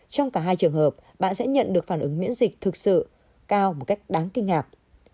trong cả hai trường hợp bạn sẽ nhận được phản ứng miễn dịch thực sự cao một cách đáng kinh ngạc